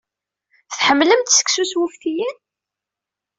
Tḥemmlemt seksu s wuftiyen?